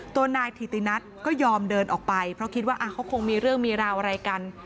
ตัวนายถิตินัทก็ยอมเดินออกไปเพราะคิดว่าเขาคงมีเรื่องมีราวอะไรกัน